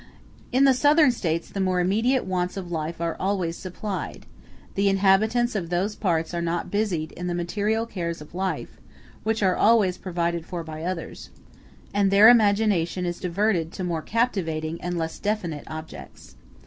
In the Southern States the more immediate wants of life are always supplied; the inhabitants of those parts are not busied in the material cares of life, which are always provided for by others; and their imagination is diverted to more captivating and less definite objects.